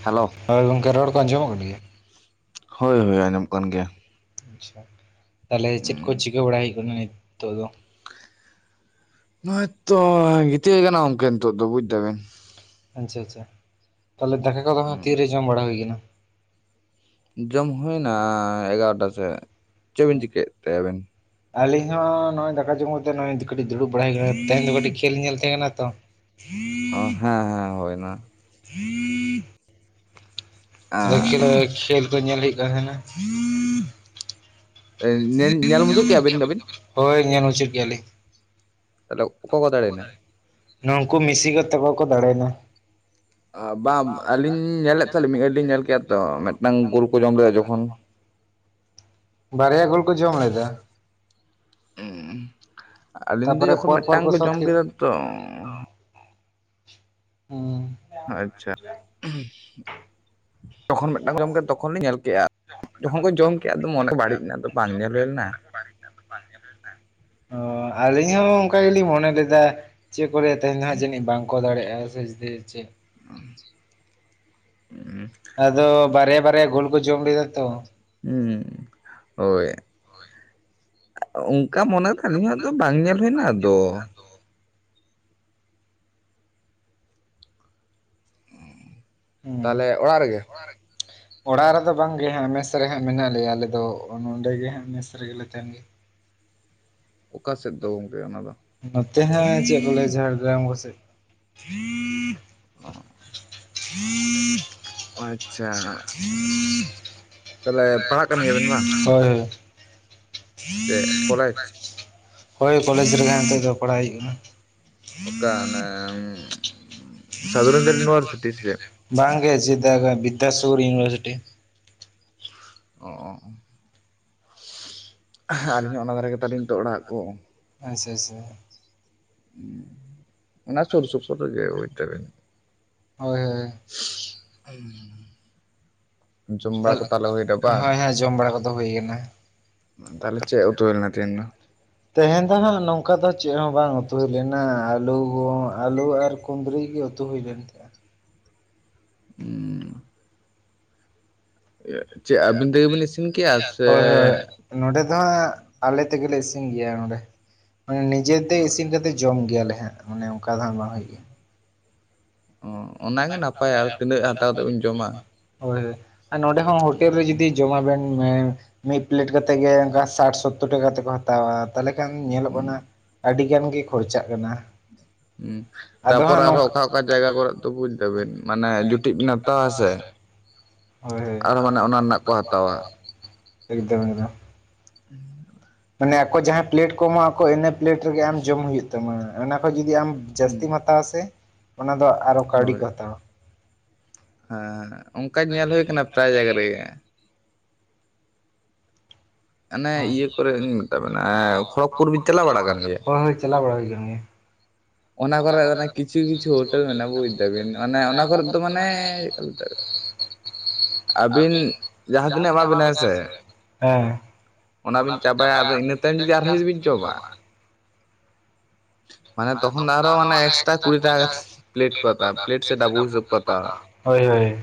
Hello ᱦᱳᱭ ᱜᱚᱢᱠᱮ ᱨᱚᱲ ᱠᱚ ᱟᱸᱡᱚᱢᱚᱜ ᱦᱳᱭ ᱦᱳᱭ ᱟᱸᱡᱚᱢᱚᱜ ᱠᱟᱱ ᱜᱮᱭᱟ ᱟᱪᱪᱷᱟ ᱛᱟᱦᱚᱞᱮ ᱪᱮᱫ ᱠᱚ ᱪᱤᱠᱟᱹ ᱵᱟᱲᱟᱭ ᱦᱩᱭᱩᱜ ᱠᱟᱱᱟ ᱱᱤᱛᱚᱜ ᱫᱚ ᱱᱚᱜ ᱚᱭ ᱛᱚ ᱜᱤᱛᱤᱡ ᱦᱩᱭ ᱠᱟᱱᱟ ᱜᱚᱢᱠᱮ ᱱᱤᱛᱚᱜ ᱫᱚ ᱵᱩᱡᱽ ᱫᱟᱵᱤᱱ ᱟᱪᱪᱷᱟ ᱟᱪᱪᱷᱟ ᱛᱟᱦᱚᱞᱮ ᱫᱟᱠᱟ ᱠᱚᱫᱚ ᱦᱟᱸᱜ ᱛᱤᱨᱮ ᱡᱚᱢ ᱵᱟᱲᱟ ᱦᱩᱭ ᱠᱟᱱᱟ ᱡᱚᱢ ᱦᱩᱭᱱᱟ ᱮᱜᱟᱨᱚᱴᱟ ᱥᱮᱜ ᱪᱮᱜ ᱵᱤᱱ ᱪᱤᱠᱟᱹᱭᱮᱜ ᱛᱮ ᱟᱹᱵᱮᱱ ᱟᱹᱞᱤᱧ ᱦᱚᱸ ᱱᱚᱜ ᱚᱭ ᱫᱟᱠᱟ ᱡᱚᱢᱛᱮ ᱱᱚᱜᱚᱭ [inaudible] ᱠᱟᱹᱴᱤᱡ ᱫᱩᱲᱩᱵ ᱵᱟᱲᱟᱭ [inaudible] ᱛᱮᱦᱮᱧ ᱫᱚ ᱠᱟᱹᱴᱤᱡ ᱠᱷᱮᱞ ᱧᱮᱞ ᱛᱟᱦᱮᱸ ᱠᱟᱱᱟ ᱛᱚ [unintelligible] ᱚ ᱦᱮᱸ ᱦᱮᱸ ᱦᱳᱭᱱᱟ [unintelligible] [unintelligible] ᱠᱷᱮᱞ [unintelligible] ᱠᱷᱮᱞ ᱠᱚ ᱧᱮᱞ ᱦᱩᱭᱩᱜ ᱠᱟᱱ ᱛᱟᱦᱮᱱᱟ ᱧᱮᱞ ᱧᱮᱞ ᱢᱩᱪᱟᱹᱫ ᱠᱮᱜ ᱟᱵᱤᱱ ᱦᱳᱭ ᱧᱮᱞ ᱢᱩᱪᱟᱹᱫ ᱠᱮᱜ ᱟᱞᱤᱧ ᱛᱟᱦᱚᱞᱮ ᱚᱠᱚᱭ ᱠᱚ ᱫᱟᱲᱮᱭᱮᱱᱟ ᱱᱩᱠᱩ ᱢᱤᱥᱤ ᱠᱚ ᱛᱟᱠᱚ ᱠᱚ ᱫᱟᱲᱮᱭᱮᱱᱟ ᱵᱟᱝ ᱟᱹᱞᱤᱧ ᱧᱮᱞᱮᱫ ᱛᱟᱦᱮᱸ ᱞᱤᱧ ᱢᱤᱫ ᱜᱷᱟᱹᱲᱤᱡᱞᱤᱧ ᱧᱮᱞ ᱠᱮᱜ ᱟ ᱛᱚ ᱢᱤᱫᱴᱟᱝ ᱜᱳᱞ ᱠᱚ ᱡᱚᱢ ᱞᱮᱫᱟ ᱡᱚᱠᱷᱚᱱ ᱵᱟᱨᱭᱟ ᱜᱳᱞ ᱠᱚ ᱡᱚᱢ ᱞᱮᱫᱟ [unintelligible] ᱟᱹᱞᱤᱧ ᱫᱚ ᱛᱟᱯᱚᱨᱮ ᱡᱚᱠᱷᱚᱱ ᱯᱚᱨ ᱯᱚᱨ ᱢᱤᱫᱴᱟᱝ ᱠᱚ ᱥᱳᱫᱷ ᱡᱚᱢ ᱠᱮᱫᱟ ᱛᱚ ᱦᱩᱸ ᱟᱪᱪᱷᱟ ᱛᱚᱠᱷᱚᱱ ᱢᱤᱫᱴᱟᱝ ᱡᱚᱢ ᱠᱮᱫᱟ ᱛᱚᱠᱷᱚᱱ ᱞᱤᱧ ᱧᱮᱞ ᱠᱮᱜ ᱟ ᱡᱚᱠᱷᱚᱱ ᱠᱚ ᱡᱚᱢ ᱠᱮᱜ ᱟ ᱟᱫᱚ ᱢᱚᱱᱮ ᱵᱟᱹᱲᱤᱡ ᱱᱟ ᱟᱫᱚ ᱵᱟᱝ ᱧᱮᱞ ᱦᱩᱭ ᱞᱮᱱᱟ ᱚ ᱟᱹᱞᱤᱧ ᱦᱚᱸ ᱚᱱᱠᱟ ᱜᱮᱞᱤᱧ ᱢᱚᱱᱮ ᱞᱮᱫᱟ ᱪᱮᱫ ᱠᱚᱨᱮ ᱛᱟᱦᱮᱸᱱᱟ ᱡᱟᱹᱱᱤᱡ ᱵᱟᱝᱠᱚ ᱫᱟᱲᱮᱭᱟᱜ ᱟ [inaudible] [inaudible] ᱟᱫᱚ ᱵᱟᱨᱭᱟᱼᱵᱟᱨᱭᱟ ᱜᱳᱞ ᱠᱚ ᱡᱚᱢ ᱠᱮᱫᱟ ᱛᱚ ᱾ ᱩᱸ ᱦᱳᱭ ᱚᱝᱠᱟ ᱢᱚᱱᱮ ᱟᱹᱞᱤᱧᱟᱜ ᱫᱚ ᱵᱟᱝ ᱧᱮᱞ ᱦᱩᱭ ᱱᱟ ᱟᱫᱚ ᱩᱸ ᱛᱟᱦᱚᱞᱮ ᱚᱲᱟᱜ ᱨᱮᱜᱮ [inaudible] ᱚᱲᱟᱜ ᱨᱮᱫᱚ ᱵᱟᱝ ᱜᱮ ᱦᱟᱸᱜ ᱢᱮᱥ ᱥᱮᱼᱨᱮ ᱦᱟᱸᱜ ᱢᱮᱱᱟᱜ ᱞᱮᱭᱟ ᱟᱞᱮ ᱫᱚ ᱱᱚᱸᱰᱮ ᱜᱮ ᱦᱟᱸᱜ ᱢᱮᱥ ᱨᱮᱜᱮ ᱞᱮ ᱛᱟᱦᱮᱱ ᱜᱮᱭᱟ ᱾ ᱚᱠᱟ ᱥᱮᱫ ᱫᱚ ᱜᱚᱢᱠᱮ ᱚᱱᱟ ᱫᱚ ᱱᱚᱛᱮ ᱦᱮᱸ ᱪᱮᱫ ᱠᱚ ᱞᱟᱹᱭᱟ ᱡᱷᱟᱲᱜᱨᱟᱢ ᱠᱚ ᱥᱮᱫ ᱚ [unintelligible] ᱟᱪᱷᱟ ᱛᱟᱦᱚᱞᱮ ᱯᱟᱲᱦᱟᱜ ᱠᱟᱱ ᱜᱮᱭᱟᱵᱱ ᱵᱟᱝ ᱾ ᱦᱳᱭ ᱦᱳᱭ ᱾ ᱪᱮᱫ ᱠᱚᱞᱮᱡᱽ ᱦᱳᱭ ᱠᱚᱞᱮᱡᱽ ᱨᱮᱜᱮ ᱱᱤᱛᱚᱜ ᱫᱚ ᱯᱟᱲᱦᱟᱜ ᱦᱩᱭᱩᱜ ᱠᱟᱱᱟ ᱾ [unintelligible] ᱚᱠᱟ ᱟᱱᱮ ᱥᱟᱫᱷᱩᱨᱟᱢᱪᱟᱸᱫ ᱤᱱᱩᱰᱷᱟᱨᱥᱤᱴᱤ ᱥᱮ ᱾ ᱵᱟᱝ ᱜᱮ [inaudible] ᱵᱤᱫᱫᱟᱥᱟᱜᱚᱨ ᱤᱭᱩᱱᱤᱵᱷᱟᱨᱥᱤᱴᱤ ᱚ ᱟᱹᱞᱤᱧ ᱦᱚᱸ ᱚᱱᱟ ᱫᱷᱟᱨᱮ ᱜᱮᱛᱟᱞᱤᱧ ᱛᱚ ᱚᱲᱟᱜ ᱠᱚ ᱟᱪᱪᱷᱟ ᱟᱪᱪᱷᱟ ᱚᱱᱟ ᱥᱩᱨ ᱥᱩᱯᱩᱨ ᱨᱮᱜᱮ ᱵᱩᱡ ᱫᱟ ᱵᱤᱱ ᱦᱳᱭ [unintelligible] ᱡᱚᱢ ᱵᱟᱲᱟ ᱠᱚ ᱛᱟᱦᱞᱮ ᱛᱟᱞᱮ ᱦᱩᱭᱱᱟ ᱵᱟᱝ? ᱦᱳᱭ ᱦᱳᱭ ᱡᱚᱢ ᱵᱟᱲᱟ ᱠᱚᱫᱚ ᱦᱩᱭ ᱠᱟᱱᱟ ᱛᱟᱦᱚᱞᱮ ᱪᱮᱜ ᱩᱛᱩ ᱞᱮᱱᱟ ᱛᱮᱦᱮᱱ ᱫᱚ? ᱛᱮᱦᱮᱧ ᱫᱚ ᱦᱟᱸᱜ ᱱᱚᱝᱠᱟ ᱫᱚ ᱪᱮᱫ ᱦᱚᱸ ᱵᱟᱝ ᱩᱛᱩᱭ ᱞᱮᱱᱟ ᱟᱹᱞᱩ ᱠᱚ ᱟᱹᱞᱩ ᱟᱨ ᱠᱩᱸᱫᱽᱨᱤ ᱜᱮ ᱩᱛᱩ ᱦᱩᱭ ᱞᱮᱱ ᱛᱟᱦᱮᱸᱜ ᱟ ᱾ [inaudible] [inaudible] ᱵᱤᱱ ᱤᱥᱤᱱ ᱠᱮᱜᱼᱟ [unintelligible] ᱥᱮ ᱦᱳᱭ ᱦᱳᱭ ᱱᱚᱰᱮ ᱫᱚ ᱦᱟᱜ ᱟᱞᱮ ᱛᱮᱜᱮᱞᱮ ᱤᱥᱤᱱ ᱜᱮᱭᱟ ᱱᱚᱸᱰᱮ ᱾ ᱢᱟᱱᱮ ᱱᱤᱡᱮᱛᱮ ᱤᱥᱤᱱ ᱠᱟᱛᱮ ᱡᱚᱢ ᱜᱮᱭᱟᱞᱮ ᱦᱟᱸᱜ ᱢᱟᱱᱮ ᱚᱱᱠᱟ ᱫᱚ ᱦᱟᱸᱜ ᱵᱟᱝ ᱦᱩᱭᱩᱜ ᱜᱮᱭᱟ ᱾ ᱚ ᱚᱱᱟᱜᱮ ᱱᱟᱯᱟᱭ ᱟᱨ ᱛᱤᱱᱟᱹᱜ ᱦᱟᱛᱟᱣ ᱠᱟᱛᱮ ᱵᱤᱱ ᱡᱚᱢᱟ ᱾ ᱦᱳᱭ ᱦᱳᱭ ᱟᱨ ᱱᱚᱸᱰᱮ ᱦᱚᱸ ᱦᱳᱴᱮᱞ ᱨᱮ ᱡᱩᱫᱤ ᱡᱚᱢᱟ ᱵᱮᱱ ᱾ ᱢᱤᱫ ᱯᱞᱮᱴ ᱠᱟᱛᱮ ᱜᱮ ᱚᱱᱠᱟ ᱥᱟᱴ ᱥᱳᱛᱳᱨ ᱴᱟᱠᱟ ᱛᱮᱠᱚ ᱦᱟᱛᱟᱣᱟ ᱛᱟᱦᱚᱞᱮ ᱠᱷᱟᱱ ᱧᱮᱞᱚᱜ ᱠᱟᱱᱟ ᱾ ᱟᱹᱰᱤ ᱜᱟᱱ ᱜᱮ ᱠᱷᱚᱨᱪᱟᱜ ᱠᱟᱱᱟ ᱾ ᱦᱩᱸ ᱛᱟᱯᱚᱨ ᱟᱨᱦᱚᱸ ᱚᱠᱟ ᱚᱠᱟ ᱡᱟᱭᱜᱟ ᱠᱚᱨᱮ ᱫᱚᱵᱩ ᱵᱤᱱ ᱢᱟᱱᱮ ᱡᱩᱴᱤᱤᱡ ᱵᱤᱱ ᱦᱟᱛᱟᱣᱟ ᱥᱮ ᱟᱨ ᱢᱟᱱᱮ ᱚᱱᱟ ᱨᱮᱱᱟᱜ ᱠᱚ ᱦᱟᱛᱟᱣᱟ ᱾ ᱮᱠᱚᱫᱚᱢᱫ ᱾ ᱦᱮᱸ ᱾ [inaudible] ᱢᱟᱱᱮ ᱟᱠᱚ ᱡᱟᱦᱟᱸᱭ ᱯᱞᱮᱴ ᱠᱚ ᱮᱢᱟᱜ ᱟᱠᱚ ᱤᱱᱟᱹ ᱯᱞᱮᱴ ᱨᱮᱜᱮ ᱟᱢ ᱡᱚᱢ ᱦᱩᱭᱩᱜ ᱛᱟᱢᱟ ᱚᱱᱟ ᱠᱷᱱ ᱟᱢ ᱡᱩᱫᱤ ᱟᱢ ᱡᱟᱹᱥᱛᱤ ᱦᱩᱸ ᱢᱟᱛᱚ ᱾ ᱦᱟᱛᱟᱣᱟ ᱥᱮ ᱚᱱᱟ ᱫᱚ ᱟᱨᱚ ᱠᱟᱹᱣᱰᱤ ᱠᱚ ᱦᱳᱭ ᱦᱟᱛᱟᱣᱟ ᱾ ᱦᱮᱸ ᱚᱱᱠᱟᱧ ᱧᱮᱞ ᱦᱩᱭᱩ ᱟᱠᱟᱱᱟ ᱯᱨᱟᱭ ᱡᱟᱭᱜᱟ ᱨᱮᱜᱮ ᱾ ᱚᱱᱮ ᱦᱳᱭ ᱤᱭᱟᱹ ᱠᱚᱨᱮᱧ ᱢᱮᱛᱟ ᱵᱮᱱᱟ ᱠᱷᱚᱲᱚᱜᱽᱯᱩᱨ ᱵᱤᱱ ᱪᱟᱞᱟᱣ ᱵᱟᱲᱟ ᱠᱟᱱ ᱜᱮᱭᱟ ᱾ ᱪᱟᱞᱟ ᱵᱟᱲᱟ ᱦᱩᱭᱠᱟᱱ ᱜᱮᱭᱟ ᱾ ᱚᱱᱟ ᱠᱚᱨᱮ ᱠᱤᱪᱷᱩ ᱠᱤᱪᱷᱩ ᱦᱳᱴᱮᱞ ᱢᱮᱱᱟᱜᱼᱟ ᱵᱩᱡᱽ ᱫᱟᱵᱤᱱ ᱢᱟᱱᱮ ᱚᱱᱟ ᱠᱚᱨᱮ ᱫᱚ ᱢᱟᱱᱮ ᱾ ᱟᱹᱵᱤᱱ ᱡᱟᱦᱟᱸ ᱛᱤᱱᱟᱹᱜ ᱮᱢᱟ ᱵᱤᱱᱟ ᱦᱮᱸ ᱥᱮ᱾ ᱦᱮᱸ ᱚᱱᱟᱵᱤᱱ ᱪᱟᱵᱟᱭᱟ ᱟᱫᱚ ᱤᱱᱟᱹ ᱛᱟᱭᱚᱢ ᱡᱩᱫᱤ ᱟᱨᱦᱚᱸ ᱡᱩᱫᱤ ᱵᱤᱱ ᱡᱚᱢᱟ ᱾ ᱢᱟᱱᱮ ᱛᱚᱠᱷᱚᱱ ᱟᱨᱚ ᱮᱠᱥᱴᱟᱨᱥ ᱠᱩᱲᱤ ᱴᱟᱠᱟ ᱠᱟᱛᱮ ᱯᱞᱮᱴ ᱠᱚ ᱦᱟᱛᱟᱣ ᱯᱞᱮᱴ ᱥᱮ ᱰᱟᱵᱩ ᱦᱤᱥᱟᱵ ᱠᱚ ᱦᱟᱛᱟᱣ ᱾ ᱦᱳᱭ ᱦᱳᱭ ᱾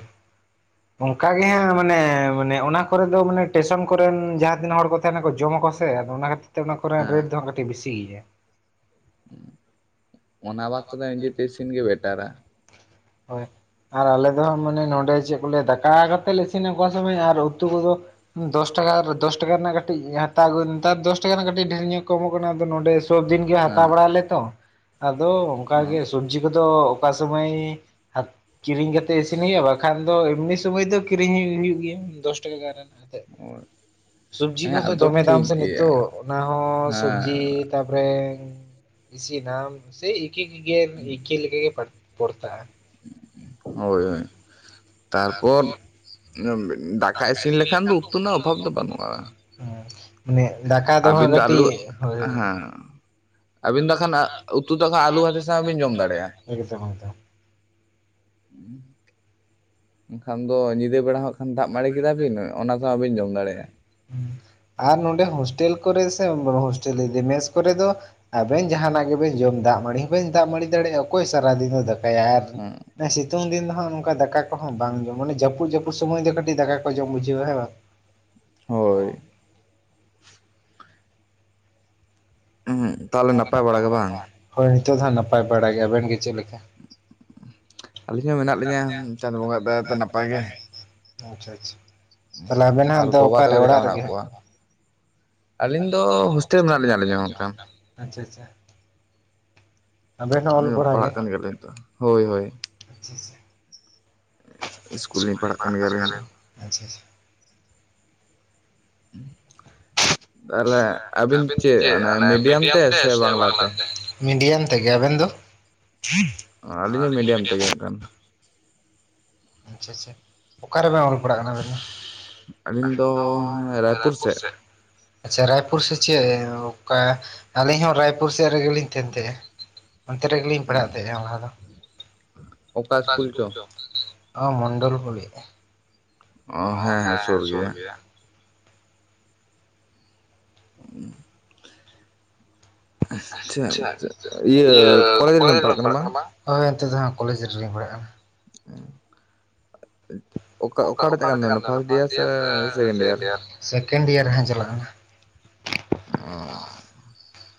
ᱚᱱᱠᱟᱜᱮ ᱦᱮᱸ ᱢᱟᱱᱮ ᱢᱟᱱᱮ ᱚᱱᱟ ᱠᱚᱨᱮ ᱫᱚ ᱢᱟᱱᱮ ᱴᱮᱥᱚᱱ ᱠᱚᱨᱮᱱ ᱡᱟᱦᱟᱸ ᱛᱤᱱ ᱦᱚᱲ ᱠᱚ ᱾ ᱛᱟᱦᱮᱱᱟ ᱠᱚ ᱡᱚᱢᱟ ᱠᱚ ᱥᱮ ᱟᱫᱚ ᱚᱱᱟ ᱠᱷᱟᱹᱛᱤᱨ ᱛᱮ ᱚᱱᱟ ᱠᱚᱨᱮᱱᱟᱜ ᱦᱮᱸ ᱨᱮᱴ ᱫᱚᱦ ᱠᱟᱹᱴᱤᱡ ᱵᱤᱥᱤ ᱜᱮᱭᱟ ᱾ ᱚᱱᱟ ᱵᱟᱫᱽ ᱠᱟᱛᱮ ᱱᱤᱡᱮᱛᱮ ᱤᱥᱤᱱ ᱜᱮ ᱵᱮᱴᱟᱨᱟ ᱾ ᱦᱳᱭ ᱟᱨ ᱟᱞᱮ ᱫᱚ ᱦᱟᱸᱜ ᱢᱟᱱᱮ ᱱᱚᱰᱮ ᱪᱮᱫ ᱠᱚ ᱞᱮ ᱫᱟᱠᱟ ᱠᱟᱛᱮᱞ ᱞᱮ ᱤᱥᱤᱱᱟ ᱚᱠᱟ ᱥᱚᱢᱚᱭ ᱟᱨ ᱩᱛᱩ ᱠᱚᱫᱚ ᱾ ᱫᱚᱥ ᱴᱟᱠᱟ ᱫᱚᱥ ᱴᱟᱠᱟ ᱨᱮᱱᱟᱜ ᱠᱟᱹᱴᱤᱡ ᱦᱟᱛᱟᱣ ᱟᱹᱜᱩᱭ ᱱᱮᱛᱟᱨ ᱫᱚᱥ ᱴᱟᱠᱟ ᱨᱮᱱᱟᱜ ᱠᱟᱹᱴᱤᱡ ᱰᱷᱮᱨ ᱧᱚᱜ ᱠᱚᱢᱚᱜ ᱠᱟᱱᱟ ᱟᱫᱚ ᱱᱚᱰᱮ ᱾ ᱥᱚᱵᱫᱤᱱ ᱜᱮ ᱦᱟᱛᱟᱣ ᱦᱮᱸ ᱵᱟᱲᱟᱭᱞᱮ ᱛᱚ ᱟᱫᱚ ᱚᱱᱠᱟᱜᱮ ᱥᱚᱵᱡᱤ ᱠᱚᱫᱚ ᱚᱠᱟ ᱥᱚᱢᱟᱹᱭ ᱾ ᱠᱤᱨᱤᱧ ᱠᱟᱛᱮᱜ ᱤᱥᱤᱱ ᱦᱩᱭᱩᱜᱼᱟ ᱵᱟᱠᱷᱟᱱ ᱫᱚ ᱮᱢᱱᱤ ᱥᱩᱢᱟᱹᱭ ᱫᱚ ᱠᱤᱨᱤᱧ ᱦᱩᱭᱩᱜ ᱜᱮᱭᱟ ᱫᱚᱥ ᱴᱟᱠᱟ ᱜᱟᱱ ᱨᱮᱱᱟᱜ ᱾ ᱥᱚᱵᱡᱤ ᱦᱮᱸ ᱠᱚᱛᱚ ᱟᱫᱚ ᱫᱚᱢᱮ ᱫᱟᱢ ᱴᱷᱤᱠ ᱥᱮ ᱜᱮᱭᱟ ᱱᱤᱛᱳᱜ ᱚᱱᱟ ᱦᱚᱸ ᱥᱚᱵᱡᱤ ᱦᱮᱸ ᱾ ᱛᱟᱯᱚᱨᱮ ᱤᱥᱤᱱᱟ ᱥᱮ ᱮᱠᱤᱠᱮ ᱜᱮ ᱮᱠᱤ ᱞᱮᱠᱟ ᱜᱮ ᱯᱟᱲᱟᱜ-ᱟ ᱾ ᱯᱚᱲᱛᱟ ᱟᱭ ᱾ ᱦᱳᱭ ᱦᱳᱭ ᱛᱟᱨᱯᱚᱨ ᱾ [unintelligible] ᱫᱟᱠᱟ ᱤᱥᱤᱱ ᱞᱮᱠᱷᱟᱱ ᱫᱚ ᱩᱛᱩ ᱨᱮᱱᱟᱜ ᱚᱵᱷᱟᱵ ᱫᱚ ᱵᱟᱹᱱᱩᱜᱼᱟ ᱾ ᱦᱚᱸ ᱢᱟᱱᱮ ᱫᱟᱠᱟ ᱫᱚ ᱦᱟᱸ ᱠᱟᱹᱴᱤᱡ ᱦᱳᱭ ᱦᱳᱭ ᱦᱮᱸ ᱟᱹᱵᱤᱱ ᱫᱚ ᱟᱵᱤᱱ ᱠᱷᱟᱱ ᱫᱚᱠᱷᱟᱱᱟ ᱩᱛᱩ ᱫᱚ ᱠᱷᱟᱱ ᱦᱟᱸᱜ ᱟᱞᱩ ᱵᱷᱟᱛᱮ ᱟᱛᱮ ᱥᱟᱣ ᱦᱚᱸᱵᱤᱱ ᱡᱚᱢ ᱫᱟᱲᱮᱭᱟᱜ ᱾ ᱦᱩᱸ ᱾ ᱮᱱᱠᱷᱟᱱ ᱫᱚ ᱧᱤᱫᱟᱹ ᱵᱮᱲᱟ ᱦᱚᱸ ᱠᱷᱟᱱ ᱫᱟᱜ ᱢᱟᱲᱤ ᱠᱮᱫᱟ ᱵᱤᱱ ᱚᱱᱟ ᱥᱟᱣ ᱦᱚᱸ ᱵᱤᱱ ᱡᱚᱢ ᱫᱟᱲᱮᱭᱟᱜᱼᱟ ᱾ ᱟᱨ ᱱᱚᱰᱮ ᱦᱳᱥᱴᱮᱞ ᱠᱚᱨᱮ ᱥᱮ ᱦᱳᱥᱴᱮᱞ ᱤᱧ ᱢᱮᱱ ᱢᱮᱥ ᱠᱚᱨᱮ ᱫᱚ ᱾ ᱟᱵᱮᱱ ᱡᱟᱦᱱᱟᱜ ᱜᱮᱵᱮᱱ ᱡᱚᱢ ᱫᱟᱜ ᱢᱟᱹᱲᱤ ᱦᱚᱸ ᱵᱮᱱ ᱫᱟᱜ ᱢᱟᱹᱲᱤ ᱫᱟᱲᱮᱭᱟᱜᱼᱟ ᱚᱠᱚᱭ ᱥᱟᱨᱟ ᱫᱤᱱᱮ ᱫᱟᱠ ᱠᱟᱭ ᱟᱨ ᱦᱮᱸ ᱥᱤᱛᱩᱝ ᱫᱤᱱ ᱫᱚ ᱦᱟᱸᱜ ᱱᱚᱝᱠᱟ ᱫᱟᱠᱟ ᱠᱚᱦᱚᱸ ᱵᱟᱝ ᱡᱚᱢᱼᱟ ᱢᱟᱱᱮ ᱡᱟᱹᱯᱩᱫ ᱡᱟᱹᱯᱩᱫ ᱾ ᱠᱩᱢᱟᱹᱜ ᱫᱚ ᱠᱟᱹᱴᱤᱡ ᱫᱟᱠᱟ ᱠᱚ ᱡᱚᱢ ᱩᱪᱤᱛ ᱦᱮᱸ ᱵᱟᱝ ᱾ ᱦᱳᱭ ᱾ ᱛᱟᱦᱚᱞᱮ ᱱᱟᱯᱟᱭ ᱵᱟᱲᱟ ᱜᱮ ᱵᱟᱝ ᱾ ᱦᱳᱭ ᱱᱤᱛᱳᱜ ᱫᱚ ᱦᱟᱸᱜ ᱱᱟᱯᱟᱭ ᱵᱟᱲᱟ ᱜᱮ ᱟᱵᱮᱱᱜ ᱜᱮ ᱪᱮᱫ ᱞᱮᱠᱟ ᱾ ᱟᱹᱞᱤᱧ ᱦᱚᱸ ᱢᱮᱱᱟᱜ ᱞᱤᱧᱟᱹ ᱪᱟᱸᱫᱳ ᱵᱚᱸᱜᱟ ᱫᱟᱭᱟ ᱛᱮ ᱱᱟᱯᱟᱭ ᱜᱮ ᱾ ᱟᱪᱷᱟ ᱟᱪᱷᱟ ᱛᱟᱦᱞᱮ ᱟᱵᱮᱱᱟᱜ ᱟᱨ ᱫᱚ ᱜᱚ ᱵᱟᱵᱟ ᱚᱠᱟᱨᱮ ᱛᱟᱠᱚ ᱪᱮᱫᱠᱟ ᱚᱲᱟᱜ ᱢᱮᱱᱟᱜ ᱨᱮᱜᱮ ᱦᱟᱸᱜ ᱾ ᱠᱚᱣᱟ ᱟᱹᱞᱤᱧ ᱟᱞᱤᱧ ᱫᱚ ᱦᱳᱥᱴᱮᱞ ᱨᱮ ᱞᱤᱧᱟ ᱟᱹᱞᱤᱧ ᱢᱮᱱᱟᱜ ᱦᱚᱸ ᱚᱱᱠᱟ ᱞᱤᱧᱟ ᱟᱪᱷᱟ ᱟᱪᱷᱟ ᱾ [unintelligible] ᱜᱮ ᱯᱟᱲᱦᱟᱜ ᱠᱟᱱ ᱜᱮᱭᱟ ᱞᱤᱧ ᱛᱚ, ᱦᱳᱭ ᱦᱳᱭ ᱟᱪᱪᱷᱟ ᱟᱪᱪᱷᱟ ᱾ ᱤᱥᱠᱩᱞ ᱞᱤᱧ ᱯᱟᱲᱟᱜ ᱠᱟᱱ ᱜᱮᱭᱟ ᱟᱹᱞᱤᱧ ᱫᱚ ᱾ ᱟᱪᱪᱷᱟ-ᱟᱪᱷᱟ ᱾ ᱛᱟᱦᱞᱮ ᱟᱵᱤᱱ ᱪᱮᱜ ᱚᱱᱮ ᱢᱤᱰᱤᱭᱟᱢ ᱛᱮ, ᱥᱮ ᱵᱟᱝᱞᱟ ᱛᱮ? ᱢᱤᱰᱤᱭᱟᱢ ᱛᱮᱜᱮ, ᱟᱵᱮᱱ ᱫᱚ? ᱚ ᱟᱹᱞᱤᱧ ᱦᱚᱸ ᱢᱤᱰᱤᱭᱟᱢ ᱛᱮᱜᱮ ᱦᱟᱸᱜ ᱠᱷᱟᱱ ᱾ ᱟᱪᱪᱷᱟᱼᱪᱷᱟ ᱾ ᱚᱠᱟᱨᱮᱵᱮᱱ ᱚᱞ ᱯᱟᱲᱦᱟᱜ ᱠᱟᱱᱟ ᱟᱵᱮᱱ ᱫᱚ? ᱟᱹᱞᱤᱱᱟ ᱫᱚ ᱨᱟᱭᱯᱩᱨ ᱥᱮᱜ ᱾ ᱟᱪᱪᱷᱟ, ᱨᱟᱭᱯᱩᱨ ᱥᱮ ᱪᱮ ᱚᱠᱟ ᱟᱹᱞᱤᱧ ᱦᱚᱸ ᱨᱟᱭᱯᱩᱨ ᱥᱮᱫ ᱨᱮᱜᱮ ᱞᱤᱧ ᱛᱮᱦᱮᱱ ᱛᱮᱦᱮᱸᱜᱼᱟ ᱾ ᱚᱱᱛᱮ ᱨᱮᱜᱮ ᱞᱤᱧ ᱯᱟᱲᱦᱟᱜ ᱛᱮᱦᱮᱸᱜᱼᱟ, ᱞᱟᱦᱟ ᱫᱚ ᱾ ᱚᱠᱟ ᱤᱥᱠᱩᱞ ᱪᱚ ᱾ ᱚ ᱢᱚᱱᱰᱚᱞᱜᱩᱞᱤ ᱾ ᱚᱸ ᱦᱮᱸ-ᱦᱮᱸ ᱥᱳᱨ ᱜᱮᱭᱟ ᱾ [inaudible] ᱟᱪᱪᱷᱟ [inaudible] ᱤᱭᱟᱹ ᱠᱚᱞᱮᱡᱽ ᱨᱮᱵᱮᱱ ᱯᱟᱲᱦᱟᱜ ᱠᱟᱱᱟ ᱵᱟᱝ? ᱦᱳᱭ ᱚᱱᱛᱮ ᱫᱚ ᱦᱟᱸᱜ ᱠᱚᱞᱮᱡᱽ ᱨᱮᱞᱤᱧ ᱯᱟᱲᱟᱜ ᱠᱟᱱᱟ ᱾ ᱚᱠᱟ ᱚᱠᱟ-ᱚᱠᱟ ᱚᱠᱟᱴᱟᱜ ᱴᱮᱜ ᱛᱮ ᱠᱟᱱ ᱛᱟᱵᱮᱱᱟ ᱯᱷᱟᱥᱴ ᱰᱤᱭᱟᱨ ᱯᱷᱟᱥᱴᱰᱤᱭᱟᱨ ᱥᱮ ᱥᱮᱠᱮᱱᱰ ᱰᱤᱭᱟᱨ ᱥᱮᱠᱮᱱᱰᱤᱭᱟᱨ? ᱥᱮᱠᱮᱱᱰᱤᱭᱟᱨ ᱦᱟᱸ ᱪᱟᱞᱟᱜ ᱠᱟᱱᱟ ᱾ [inaudible]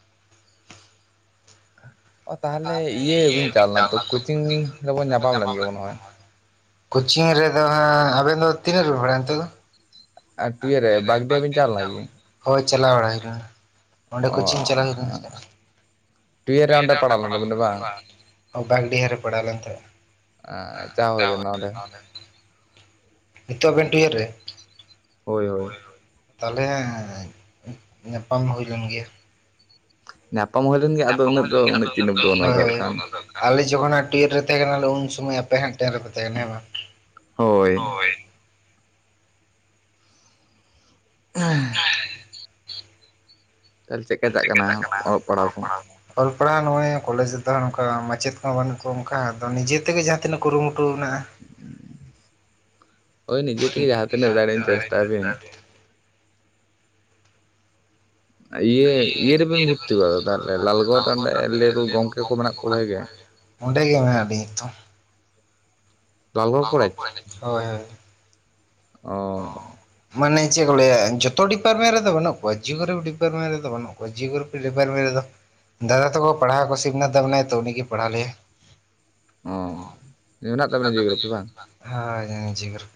ᱚ ᱛᱟᱦᱚᱞᱮ ᱤᱭᱟᱹ ᱵᱤᱱ ᱪᱟᱞ ᱞᱮᱱᱟ ᱛᱚ ᱠᱳᱪᱤᱝ ᱨᱮᱵᱚᱱ ᱧᱟᱯᱟᱢ ᱞᱮᱱ ᱜᱮᱭᱟ ᱢᱚᱱᱮ ᱦᱚᱭ [unintelligible] ᱠᱳᱪᱤᱝ ᱨᱮ ᱫᱚ ᱦᱟᱸᱜ ᱟᱵᱮᱱ ᱫᱚ ᱛᱤᱱᱟᱹᱜ ᱨᱮ [unintelligible] ᱱᱤᱛᱚᱜ ᱫᱚ? ᱟᱨ ᱴᱤᱭᱟᱹ ᱨᱮ ᱵᱟᱜᱽᱰᱤᱦᱟᱹ ᱵᱤᱱ ᱪᱟᱞ ᱞᱮᱱᱟ ᱠᱤ ᱦᱳᱭ ᱪᱟᱞᱟᱣ ᱣᱟᱲᱟ ᱦᱩᱭ ᱞᱮᱱᱟ, ᱚᱸᱰᱮ ᱚ ᱠᱳᱪᱤᱝ ᱪᱟᱞᱟᱣ ᱦᱩᱭ ᱞᱮᱱᱟ ᱾ ᱴᱩᱭᱮᱞ ᱨᱮ ᱚᱸᱰᱮ ᱯᱟᱲᱟᱣ ᱞᱮᱱ ᱛᱟᱵᱤᱱᱟ ᱵᱟᱝ [unintelligible] ᱳ ᱵᱟᱜᱽᱰᱤᱦᱟᱹ ᱨᱮ ᱯᱟᱲᱟᱣ ᱞᱮᱱ ᱛᱟᱦᱮᱸᱜ ᱾ ᱪᱟ ᱦᱩᱭ ᱞᱮᱱᱟ ᱚᱸᱰᱮ [unintelligible] ᱱᱤᱛᱚᱜ ᱟᱵᱮᱱ ᱴᱩᱭᱮᱨ ᱨᱮ? ᱦᱳᱭ-ᱦᱳᱭ ᱾ ᱛᱟᱞᱦᱮ ᱦᱟᱸ ᱧᱟᱯᱟᱢ ᱦᱩᱭ ᱞᱮᱱ ᱜᱮᱭᱟ ᱾ ᱧᱟᱯᱟᱢ ᱦᱩᱭ ᱞᱮᱱ ᱜᱮ ᱧᱟᱯᱟᱢ ᱦᱩᱭ ᱞᱮᱱ ᱜᱮᱭᱟ ᱟᱫᱚ ᱩᱱᱟᱹᱜ ᱫᱚ, ᱦᱳᱭ [unintelligible] ᱟᱞᱮ ᱡᱚᱠᱷᱚᱱ ᱦᱟᱸᱜ ᱴᱩᱭᱮᱨ ᱨᱮ ᱛᱟᱦᱮᱸ ᱠᱟᱱᱟᱞ ᱩᱱ ᱥᱚᱢᱚᱭ ᱟᱯᱮ ᱦᱟᱸ ᱴᱮᱱ ᱨᱮᱯ ᱛᱟᱦᱮᱸ ᱠᱟᱱᱟ ᱦᱮᱸ‌ ᱵᱟᱝ ᱦᱳᱭ ᱦᱮᱸ ᱛᱟᱦᱞᱮ ᱪᱮᱫᱠᱟ ᱪᱟᱜ ᱠᱟᱱᱟ ᱚᱞᱚᱜ ᱯᱟᱲᱦᱟᱣ ᱠᱚ ᱚᱞ ᱯᱟᱲᱦᱟᱣ ᱱᱚᱜᱼᱚᱭ ᱠᱚᱞᱮᱡᱽ ᱨᱮᱫᱚ ᱱᱚᱝᱠᱟ ᱢᱟᱪᱮᱫ ᱠᱚᱚᱸ ᱵᱟᱹᱱᱩᱜ ᱠᱚᱣᱟ ᱚᱱᱠᱟ ᱟᱫᱚ ᱱᱤᱡᱮᱛᱮᱜᱮ ᱡᱟᱦᱟᱸ ᱛᱤᱱᱟᱹᱜ ᱠᱩᱨᱩᱢᱩᱴᱩ ᱢᱮᱱᱟᱜᱼᱟ ᱩᱸ ᱳᱭ ᱱᱤᱡᱮ ᱛᱮᱜᱮ ᱡᱟᱦᱟᱸ ᱛᱱᱟᱹᱜ ᱫᱟᱲᱮᱭᱟᱜ ᱪᱮᱥᱴᱟᱭ ᱵᱤᱱ ᱤᱭᱟᱹ ᱤᱭᱟᱹ ᱨᱮᱵᱮᱱ ᱵᱷᱩᱨᱛᱤ ᱠᱚᱜ-ᱟ ᱛᱚ ᱛᱟᱦᱞᱮ ᱞᱟᱞᱜᱚᱲ ᱨᱮ ᱚᱸᱰᱮ ᱞᱟᱹᱭᱟ ᱠᱚ ᱜᱚᱝᱠᱮ ᱠᱚ ᱢᱮᱱᱟᱜ ᱠᱚᱣᱟ ᱵᱷᱟᱜᱤ ᱜᱮ ᱾ ᱚᱸᱰᱮ ᱜᱮ ᱢᱮᱱᱟᱜ ᱞᱤᱧᱟᱹ ᱛᱚ ᱾ [unintelligible] ᱦᱳᱭ ᱦᱳᱭ ᱾ ᱚᱸ ᱾ ᱢᱟᱱᱮ ᱪᱮᱜ ᱠᱚ ᱞᱟᱹᱭᱟ ᱡᱷᱚᱛᱚ ᱰᱤᱯᱟᱨᱢᱮᱱ ᱨᱮᱫᱚ ᱵᱟᱹᱱᱩᱜ ᱠᱚᱣᱟ ᱡᱤᱭᱳᱜᱨᱟᱯᱷᱤ ᱰᱤᱯᱟᱨᱢᱮᱱ ᱨᱮᱫᱚ ᱵᱟᱹᱱᱩᱜ ᱠᱚᱣᱟ, ᱡᱤᱭᱳᱜᱨᱟᱯᱷᱤ ᱰᱤᱯᱟᱨᱴᱢᱮᱱ ᱨᱮᱫᱚ ᱫᱟᱫᱟ ᱛᱟᱠᱚ ᱯᱟᱲᱦᱟᱣ ᱠᱚ ᱥᱤᱵᱱᱟᱛ ᱫᱟ ᱢᱮᱱᱟᱭᱟ ᱛᱚ ᱩᱱᱤ ᱜᱮ ᱯᱟᱲᱦᱟᱣ ᱞᱮᱭᱟ ᱾ ᱚ ᱚᱸ ᱢᱮᱱᱟᱜ ᱛᱟᱵᱮᱱᱟ ᱥᱤᱵᱱᱟᱛ ᱫᱟ ᱩᱱᱤ ᱡᱤᱭᱳᱜᱨᱟᱯᱷᱤ ᱡᱤᱳ ᱵᱟᱝ, ᱦᱮᱸ ᱳᱭ ᱡᱤᱳᱜᱨᱟ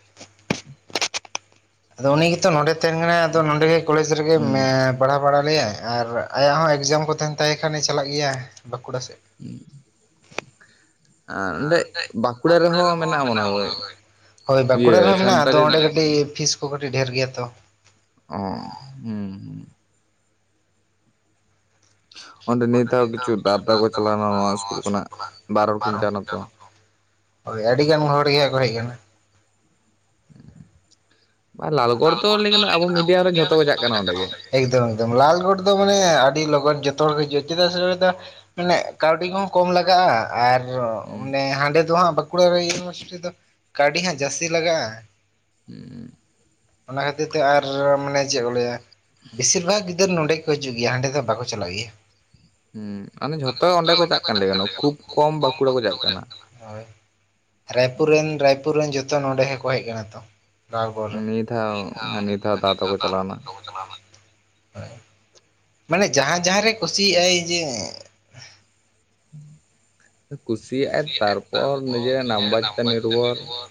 ᱟᱫᱚ ᱩᱱᱤ ᱜᱮᱛᱚ ᱱᱚᱰᱮ ᱛᱮᱦᱮᱱ ᱠᱟᱱᱟᱭ, ᱟᱫᱚ ᱱᱚᱰᱮ ᱜᱮ ᱠᱚᱞᱮᱡᱽ ᱨᱮᱜᱮ ᱦᱩᱸ ᱯᱟᱲᱦᱟᱣ ᱵᱟᱲᱟ ᱞᱮᱭᱟᱭ ᱟᱨ ᱟᱭᱟᱜ ᱦᱚᱸ ᱮᱠᱡᱟᱢ ᱠᱚ ᱛᱟᱦᱮᱱ ᱛᱟᱭ ᱠᱷᱟᱱᱮ ᱪᱟᱞᱟᱜ ᱜᱮᱭᱟ ᱵᱟᱸᱠᱩᱲᱟ ᱥᱮᱫ ᱦᱩᱸ ᱦᱟᱸᱰᱮ ᱵᱟᱸᱠᱩᱲᱟ ᱨᱮᱦᱚᱸ ᱢᱮᱱᱟᱜᱼᱟ ᱢᱚᱱᱮ ᱢᱮᱱᱟᱜ-ᱟ ᱦᱚᱭ ᱢᱚᱱᱮᱦᱚᱭ ᱦᱳᱭ ᱵᱟᱸᱠᱩᱲᱟ ᱤᱭᱟᱹ ᱨᱮᱦᱚᱸ ᱢᱮᱱᱟᱜᱼᱟ ᱟᱫᱚ ᱥᱟᱱᱛᱟᱲᱤ ᱚᱸᱰᱮ ᱠᱟᱹᱴᱤᱡ ᱯᱷᱤᱥ ᱠᱚ ᱠᱟᱹᱴᱤᱡ ᱰᱷᱮᱨ ᱜᱮᱭᱟ ᱛᱚ ᱚ ᱦᱩᱸ ᱦᱩᱸ ᱚᱸᱰᱮ ᱱᱤᱛ ᱦᱚᱸ ᱠᱤᱪᱷᱩ ᱫᱟᱫᱟ ᱛᱟᱠᱚ ᱠᱚ ᱪᱟᱞᱟᱣᱮᱱᱟ ᱱᱚᱣᱟ ᱤᱥᱠᱩᱞ ᱠᱷᱚᱱᱟᱜ ᱵᱟᱨ ᱦᱚᱲ ᱠᱤᱱ ᱪᱟ ᱱᱟᱛᱚ ᱦᱳᱭ ᱟᱹᱰᱤ ᱜᱟᱱ ᱦᱚᱲ ᱜᱮᱦᱟᱸᱜ ᱠᱚ ᱦᱮᱡ ᱠᱟᱱᱟ ᱟᱨ ᱞᱟᱞᱜᱚᱲ ᱫᱚ ᱟᱵᱚ ᱢᱤᱰᱤᱭᱟᱢ ᱨᱮᱱ ᱡᱷᱚᱛᱚ ᱠᱚ ᱪᱟᱜ ᱠᱟᱱᱟ ᱚᱱᱰᱮ ᱜᱮ ᱮᱠᱫᱚᱢ ᱮᱠᱫᱚᱢ ᱞᱟᱞᱜᱚᱲ ᱫᱚ ᱢᱟᱱᱮ ᱟᱹᱰᱤ ᱞᱚᱜᱚᱱ ᱡᱚᱛᱚ ᱦᱚᱲ ᱠᱚ ᱦᱤᱡᱩᱜᱼᱟ ᱪᱮᱫᱟᱜ ᱥᱮ ᱱᱚᱮᱫᱟ ᱢᱟᱱᱮ ᱠᱟᱹᱣᱰᱤ ᱠᱚᱦᱚᱸ ᱠᱚᱢ ᱞᱟᱜᱟᱜᱼᱟ ᱟᱨ ᱦᱩᱸ ᱚᱱᱮ ᱦᱟᱸᱰᱮ ᱫᱚ ᱦᱟᱸᱜ ᱵᱟᱸᱠᱩᱲᱟ ᱤᱭᱩᱱᱤᱵᱷᱟᱨᱥᱤᱴᱤ ᱨᱮᱫᱚ ᱠᱟᱹᱣᱰᱤ ᱦᱟᱸᱜ ᱡᱟᱹᱥᱛᱤ ᱞᱟᱜᱟᱜᱼᱟ ᱦᱩᱸ ᱚᱱᱟ ᱠᱷᱟᱹᱛᱤᱨ ᱛᱮ ᱟᱨ ᱢᱟᱱᱮ ᱪᱮᱫ ᱠᱚ ᱞᱟᱹᱭᱟ ᱵᱮᱥᱤᱨ ᱵᱷᱟᱜᱽ ᱜᱤᱫᱟᱹᱨ ᱱᱚᱸᱰᱮ ᱠᱚ ᱦᱤᱡᱩᱜ ᱜᱮᱭᱟ ᱦᱟᱸᱰᱮ ᱫᱚ ᱵᱟᱠᱚ ᱪᱟᱞᱟᱜ ᱜᱮᱭᱟ ᱦᱮᱸ ᱢᱚᱱᱮ ᱡᱷᱚᱛᱚ ᱚᱸᱰᱮ ᱠᱚ ᱪᱟᱜ ᱠᱟᱱᱞ ᱜᱟᱱ ᱠᱷᱩᱵ ᱠᱚᱢ ᱵᱟᱸᱠᱩᱲᱟ ᱠᱚ ᱪᱟᱜ ᱠᱟᱱᱟ ᱦᱳᱭ ᱨᱟᱭᱯᱩᱨ ᱨᱮᱱ ᱨᱟᱭᱯᱩᱨ ᱨᱮᱱ ᱡᱚᱛᱚ ᱱᱚᱰᱮ ᱦᱚᱸᱠᱚ ᱦᱮᱡ ᱟᱠᱟᱱᱟ ᱛᱚ ᱞᱟᱞᱜᱚᱲ ᱱᱤᱭᱟᱹ ᱫᱷᱟᱣ ᱦ ᱦᱮᱸ ᱱᱤᱭᱟᱹ ᱫᱷᱟᱣ ᱦᱫ ᱫᱟᱫᱟ ᱠᱚ ᱛ ᱪᱟᱞᱟᱣᱱᱟ ᱞ [unintelligible] ᱢᱟᱱᱮ ᱡᱟᱦᱟᱸ ᱡᱟᱦᱟᱸ ᱨᱮᱭ ᱠᱩᱥᱤᱭᱟᱜᱼᱟᱭ ᱡᱮ ᱠᱩᱥᱤ [unintelligible] ᱦᱟᱨ ᱠᱚ ᱱᱟᱢᱵᱟᱨ ᱱᱤᱨᱵᱷᱚᱨ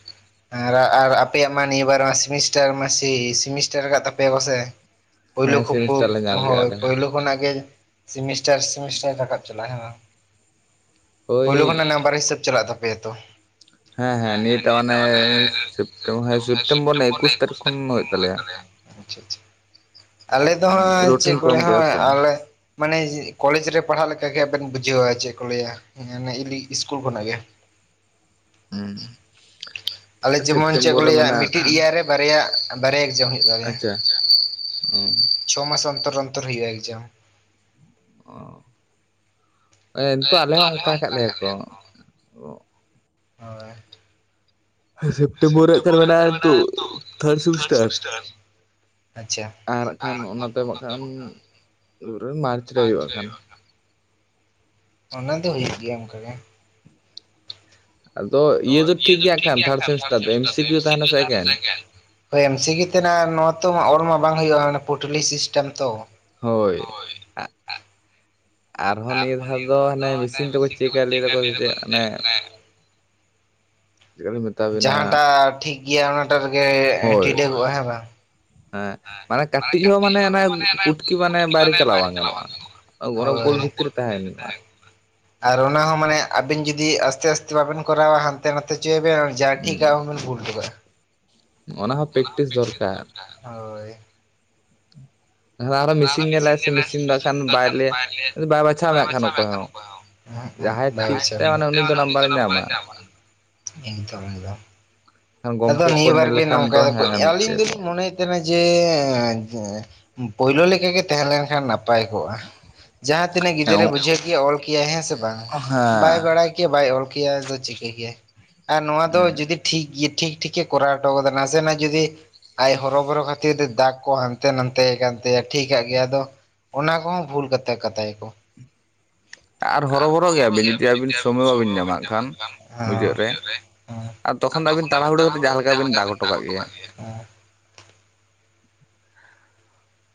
ᱟᱨ ᱟᱨ ᱟᱯᱮᱭᱟᱜ ᱢᱟ ᱱᱤᱭᱟᱹ ᱵᱟᱨ ᱢᱟ ᱥᱮᱢᱤᱥᱴᱟᱨ ᱢᱟᱥ ᱥᱮᱢᱤᱥᱴᱟᱨ ᱟᱠᱟᱫ ᱛᱟᱯᱮᱭᱟ ᱠᱚ ᱥᱮ ᱯᱞᱮ ᱦᱮᱸ ᱠᱷᱩ ᱦ ᱥᱮᱢᱤᱥᱴᱟᱨ ᱞᱮ ᱧᱟᱢ ᱠᱮᱜᱼᱟ ᱟᱞᱮ ᱦᱚᱸ ᱯᱞ [unintelligible] ᱠᱷᱚᱱᱟᱜ ᱜᱮᱢᱴᱟᱨ ᱥᱮᱢᱴᱟᱨ ᱨᱟᱠᱟᱵ ᱪᱟᱞᱟᱜᱼᱟᱮ ᱳᱭ ᱯᱳᱭᱞᱳ ᱠᱷᱚᱱᱟᱜ ᱱᱟᱵᱟᱨ ᱟᱵᱟᱨ [unintelligible] ᱦᱤᱥᱟᱹᱵ ᱪᱟᱞᱟᱜ ᱛᱟᱯᱮᱭᱟ ᱛᱚ ᱦᱮᱸ ᱦᱮᱸ ᱱᱤᱛ ᱢᱟᱱᱮ ᱥᱮᱯᱴᱮᱢ ᱦᱮᱸ ᱨᱮᱱᱟᱜ ᱥᱮᱯᱴᱮᱢᱵᱚᱨ ᱛᱟᱹᱨᱤᱠᱷ ᱮᱠᱩᱥ ᱛᱟᱨᱤᱠᱷ ᱠᱷᱚᱱ ᱦᱩᱭᱩᱜ ᱛᱟᱞᱮᱭᱟ ᱛᱟᱞᱮ ᱟᱪᱪᱷᱟ ᱟᱪᱪᱷᱟ ᱟᱞᱮ ᱫᱚ ᱦᱟᱸᱜ ᱪᱮᱫ ᱨᱩᱴᱤᱱ ᱠᱚ ᱮᱢ ᱦ ᱠᱮᱜᱼᱟ ᱛᱚ ᱟᱞᱮ ᱢᱟᱱᱮ ᱠᱚᱞᱮᱡᱽ ᱨᱮ ᱯᱟᱲᱦᱟᱜ ᱞᱮᱠᱟᱜᱮ ᱟᱵᱮᱱ ᱵᱩᱡᱷᱟᱹᱣᱟ ᱪᱮᱫ ᱠᱚ ᱞᱟᱹᱭᱟ ᱤᱞᱤ ᱤᱥᱠᱩᱞ ᱠᱷᱚᱱᱟᱜ ᱜᱮ ᱦᱮᱸ ᱟᱞᱮ ᱡᱮᱢᱚᱱ ᱪᱮᱫ ᱠᱚ ᱞᱟᱹᱭᱟ ᱢᱤᱫᱴᱤᱡ ᱤᱭᱟᱨ ᱨᱮ ᱵᱟᱨᱭᱟ ᱵᱟᱨᱭᱟ ᱮᱠᱡᱟᱢ ᱦᱩᱭᱩᱜ ᱛᱟᱞᱮᱭᱟ ᱟᱪᱪᱷᱟ ᱚ ᱪᱷᱚ ᱢᱟᱥ ᱚᱱᱛᱚᱨ ᱚᱱᱛᱚᱨ ᱦᱩᱭᱩᱜᱼᱟ ᱮᱠᱡᱟᱢ ᱚ ᱱᱤᱛᱳᱜ ᱟᱞᱮ ᱦᱚᱸ ᱚᱱᱠᱟ ᱠᱟᱜ ᱞᱮᱭᱟ ᱠᱚ ᱦᱳᱭ ᱥᱮᱯᱴᱮᱢᱵᱚᱨ ᱨᱮ ᱢᱟᱱᱮ ᱛᱚ ᱛᱷᱟᱲ ᱥᱮᱢᱤᱥᱴᱟᱨ ᱟᱪᱪᱷᱟ ᱟᱨ ᱦᱟᱜ ᱠᱷᱟᱱ ᱚᱱᱟᱛᱮᱠᱷᱟᱱ ᱢᱟᱨᱪ ᱨᱮ ᱦᱩᱭᱩᱜᱼᱟ ᱦᱟᱜ ᱠᱷᱟᱱ ᱚᱱᱟ ᱫᱚ ᱦᱩᱭᱩᱜ ᱜᱮᱭᱟ ᱚᱱᱠᱟᱜᱮ ᱟᱫᱚ ᱫᱚ ᱤᱭᱟᱹ ᱫᱚ ᱴᱷᱤᱠ ᱠᱷᱟᱱ ᱜᱮᱭᱟ [unintelligible] ᱛᱷᱟᱨᱰ ᱥᱮᱢᱤᱥᱴᱟᱨ ᱫᱚ ᱮᱢ ᱥᱤ ᱠᱤᱭᱩ ᱛᱟᱦᱮᱱᱟ ᱥᱮ ᱮᱠᱮᱱ ᱦᱳᱭ ᱮᱢ ᱥᱤ ᱠᱤᱭᱩ ᱛᱟᱦᱮᱟᱜ ᱱᱚᱣᱟ ᱛᱚ ᱚᱞ ᱢᱟ ᱵᱟᱝ ᱦᱩᱭᱩᱜᱼᱟ ᱯᱩᱴᱞᱤ ᱥᱤᱥᱴᱮᱢ ᱛᱚ ᱦᱳᱭ ᱟᱨᱦᱚᱸ ᱱᱤᱭᱟᱹ ᱫᱷᱟᱣ ᱫᱚ ᱦᱟᱱᱮ ᱢᱮᱥᱤᱱ ᱛᱮᱠᱚ ᱪᱮᱠᱟ ᱞᱟᱹᱭ ᱫᱟᱠᱚ ᱥᱮ ᱪᱮᱫ ᱚᱱᱮ ᱪᱮᱫᱠᱟᱞᱤᱧ ᱢᱮᱛᱟᱵᱤᱱᱟ ᱡᱟᱦᱟᱸᱴᱟᱜ ᱴᱷᱤᱠ ᱜᱮᱭᱟ ᱚᱱᱟᱴᱟᱜ ᱨᱮᱜᱮ ᱦᱳᱭ ᱴᱤᱰᱟᱹᱜᱚᱜᱼᱟ ᱦᱮᱸ ᱵᱟᱝ ᱦᱮᱸ ᱢᱟᱱᱮ ᱠᱟᱹᱴᱤᱡ ᱦᱚᱸ ᱢᱟᱱᱮ ᱚᱱ ᱯᱩᱴᱠᱤ ᱢᱟᱱᱮ ᱵᱟᱭᱨᱮ ᱪᱟᱞᱟᱣ ᱵᱟᱝ ᱜᱟᱱᱚᱜᱼᱟ ᱜᱚᱨᱚᱠ ᱜᱳᱞ ᱦᱳᱭ ᱵᱷᱤᱛᱨᱤ ᱨᱮ ᱛᱟᱦᱮᱱ ᱦᱩᱭᱩᱜᱼᱟ ᱟᱨ ᱚᱱᱟ ᱦᱚᱸ ᱢᱟᱱᱮ ᱟᱵᱮᱱ ᱡᱩᱫᱤ ᱟᱥᱛᱮ ᱟᱥᱛᱮ ᱵᱟᱵᱮᱱ ᱠᱚᱨᱟᱣᱟ ᱦᱟᱱᱛᱮ ᱱᱟᱛᱮ ᱦᱚ ᱪᱚᱭᱭᱟ ᱵᱮᱱ ᱡᱟ ᱴᱷᱤᱠᱟ ᱟᱵᱮᱱ ᱵᱷᱩᱞᱴ ᱠᱟᱜᱼᱟ [unintelligible] ᱚᱱᱟ ᱦᱚᱸ ᱯᱮᱠᱴᱤᱥ ᱫᱚᱨᱠᱟᱨ ᱦᱳᱭ ᱟᱨᱚ ᱢᱮᱥᱤᱱ ᱧᱮᱞᱟᱭ ᱧ ᱥᱮ ᱫᱚ ᱠᱷᱟᱱ ᱵᱟᱭ ᱢᱮᱥᱤᱱᱟᱱ ᱞᱟᱹᱭᱟ ᱯᱟᱭᱟᱭ ᱵᱟᱭ ᱵᱟᱪᱷᱟᱣ ᱢᱮᱭᱟ ᱠᱷᱟᱱ ᱵᱟᱪᱷᱟ ᱚᱠᱚᱭ ᱢᱮᱟᱱᱯ ᱦᱚᱸ ᱡᱟᱦᱟᱸᱭ ᱴᱷᱤᱠ ᱛᱟᱭ ᱢᱟᱱᱮ ᱩᱱᱤ ᱫᱚ ᱱᱟᱢᱵᱟᱨᱮ ᱧᱟᱢᱟ ᱦᱚᱸ [unintelligible] [unintelligible] ᱠᱷᱟᱱ ᱟᱫᱚ ᱜᱚᱢᱠᱮ ᱠᱚ ᱱᱤᱭᱟᱹ ᱵᱟᱨ ᱧᱮᱞ ᱜᱮ ᱞᱮᱠᱷᱟᱱ ᱱᱚᱝᱠᱟ ᱫᱚ ᱦᱮᱸ ᱮᱢ ᱟᱹᱞᱤᱧ ᱠᱮᱭᱟ ᱠᱚ ᱫᱚᱞᱤᱧ ᱢᱚᱱᱮᱭ ᱡᱮ ᱯᱳᱭᱞᱳ ᱞᱮᱠᱟ ᱜᱮ ᱛᱟᱦᱮᱸ ᱞᱮᱱᱠᱷᱟᱱ ᱱᱟᱯᱟ ᱱᱟᱯᱟᱭ ᱠᱚᱜᱼᱟ ᱡᱟᱦᱟᱸ ᱛᱤᱱᱟᱹᱜ ᱜᱤᱫᱽᱨᱟᱹᱭ ᱦᱮᱸ ᱵᱩᱡᱷᱟᱹᱣ ᱠᱮᱟᱭ ᱚᱞ ᱠᱮᱭᱟ ᱦᱮᱸ ᱥᱮ ᱵᱟᱝ ᱵᱟᱭ ᱦᱮᱸ ᱵᱟᱲᱟᱭ ᱠᱮ ᱵᱟᱭ ᱚᱞ ᱠᱮᱭᱟ ᱫᱚ ᱪᱤᱠᱟᱹ ᱜᱮᱭᱟ ᱟᱨ ᱱᱚᱣᱟ ᱫᱚ ᱡᱩᱫᱤ ᱴᱷᱤᱠ ᱜᱮ ᱴᱷᱤᱠ ᱴᱷᱤᱠᱮ ᱠᱚᱨᱟᱣ ᱦᱚᱴᱚ ᱠᱟᱫᱟ ᱱᱟᱥᱮᱱᱟᱜ ᱡᱚᱫᱤ ᱟᱭ ᱦᱚᱨᱚᱵᱚᱨᱚ ᱠᱷᱟᱹᱛᱤᱨ ᱫᱟᱜ ᱠᱚ ᱦᱟᱱᱛᱮ ᱱᱟᱱᱛᱮ ᱠᱟᱱ ᱛᱟᱭᱟ ᱴᱷᱤᱠᱟᱜ ᱜᱮ ᱟᱫᱚ ᱚᱱᱟ ᱠᱚᱦᱚᱸ ᱵᱷᱩᱞ ᱠᱟᱛᱟ ᱠᱟᱛᱟᱭᱟᱠᱚ ᱟᱨ ᱦᱚᱨᱚᱵᱚᱨᱚ ᱦᱚᱨᱚᱚᱵᱚᱨᱚᱜ ᱜᱮᱭᱟᱵᱤᱱ ᱡᱩᱫᱤ ᱟᱹᱵᱤᱱ ᱜᱮᱭᱟᱵᱤᱱ ᱵᱟᱵᱤᱱ ᱥᱚᱢᱚᱭ ᱵᱟᱝ ᱵᱮᱱ ᱧᱟᱢᱟᱜ ᱠᱷᱟᱱ ᱧᱟᱢᱟ ᱢᱩᱪᱟᱹᱫ ᱢᱩᱪᱟ. ᱫ ᱨᱮ ᱟᱨ ᱛᱚᱠᱷᱚᱱ ᱫᱚ ᱟᱹᱵᱮᱱ ᱛᱟᱲᱟᱦᱩᱲᱟᱹ ᱠᱟᱛᱮᱜ ᱡᱟᱦᱟᱸ ᱞᱮᱠᱟ ᱵᱮᱱ ᱫᱟᱜ ᱦᱚᱴᱚ ᱠᱟᱜ ᱜᱮᱭᱟ [unintelligible]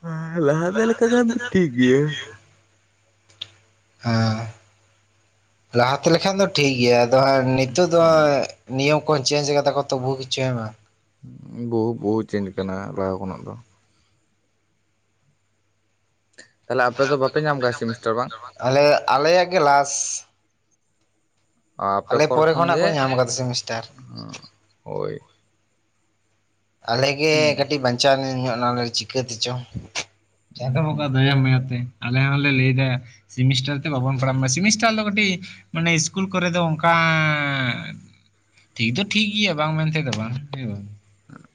ᱦᱮᱸ ᱞᱟᱦᱟᱛᱮ ᱞᱮᱠᱟ ᱠᱷᱟᱱ ᱫᱚ ᱴᱷᱤᱠ ᱜᱮᱭᱟ ᱦᱮᱸ ᱞᱟᱦᱟ ᱛᱮᱠᱷᱚᱱ ᱫᱚ ᱴᱷᱤᱠ ᱜᱮᱭᱟ ᱟᱫᱚ ᱦᱮᱜᱱᱤᱛᱳᱜ ᱫᱚ ᱦᱟᱜ ᱱᱤᱭᱚᱢ ᱠᱚ ᱪᱮᱧᱡᱽ ᱠᱟᱫᱟ ᱠᱚ ᱛᱚ ᱵᱩᱦᱩ ᱠᱤᱪᱷᱩ ᱦᱮᱵᱟᱝ ᱵᱚᱦᱩ ᱵᱚᱦᱩ ᱪᱮᱧᱡᱽ ᱠᱟᱱᱟ ᱞᱟᱦᱟ ᱠᱷᱚᱱᱟᱜ ᱫᱚ ᱛᱟᱦᱞᱮ ᱟᱯᱮ ᱫᱚ ᱵᱟᱯᱮ ᱧᱟᱢ ᱟᱠᱟᱫᱟ ᱥᱮᱢᱮᱥᱴᱟᱨ ᱵᱟᱝ ᱟᱞᱮ ᱟᱞᱮᱭᱟᱜ ᱜᱮ ᱞᱟᱥ ᱟᱯᱮ ᱟᱞᱮ ᱯᱚᱨ ᱯᱚᱨᱮ ᱠᱷᱚᱱ ᱠᱷᱚᱱᱟᱜ ᱜᱮ ᱠᱚ ᱧᱟᱢ ᱠᱟᱫᱟ ᱥᱮᱢᱤᱥᱴᱟᱨ ᱦᱳᱭ ᱟᱞᱮᱜᱮ ᱦᱩᱸ ᱠᱟᱹᱴᱤᱡ ᱵᱟᱧᱪᱟᱣ ᱧᱚᱜ ᱱᱟᱞᱮ ᱪᱤᱠᱟᱹ ᱛᱮᱪᱚ ᱪᱟᱸᱫᱳ ᱦᱩᱸ ᱵᱚᱸᱜᱟ ᱫᱟᱭᱟᱼᱢᱟᱭᱟ ᱛᱮ ᱟᱞᱮ ᱦᱚᱸᱞᱮ ᱞᱟᱹᱭ ᱫᱟ ᱥᱮᱢᱮᱥᱴᱟᱨ ᱛᱮ ᱵᱟᱵᱚᱱ ᱯᱟᱲᱦᱟᱜ ᱢᱟ ᱥᱮᱢᱴᱟᱨ ᱫᱚ ᱠᱟᱹᱴᱤᱡ ᱢᱟᱱᱮ ᱤᱥᱠᱩᱞ ᱠᱚᱨᱮ ᱫᱚ ᱚᱱᱠᱟ ᱴᱷᱤᱠ ᱫᱚ ᱴᱷᱤᱠ ᱜᱮᱭᱟ ᱵᱟᱝ ᱢᱮᱱᱛᱮ ᱫᱚ ᱵᱟᱝ ᱦᱩ